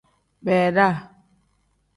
Beeda.